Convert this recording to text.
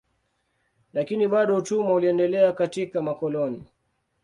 Lakini bado utumwa uliendelea katika makoloni.